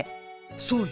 そうよ。